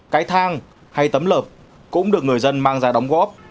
cái thang hay tấm lợp cũng được người dân mang ra đóng góp